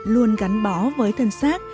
luôn gắn bó với thân xác